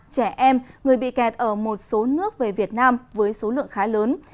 trẻ em người bị kẹt ở một số nước về việt nam với số lượng khá lớn